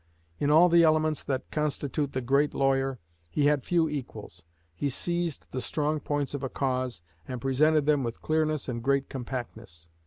In all the elements that constitute the great lawyer, he had few equals. He seized the strong points of a cause, and presented them with clearness and great compactness.